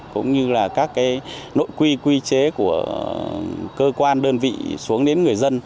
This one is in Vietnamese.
cũng như là các nội quy quy chế của cơ quan đơn vị xuống đến người dân